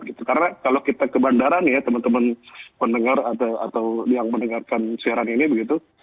karena kalau kita ke bandara nih ya teman teman pendengar atau yang mendengarkan siaran ini begitu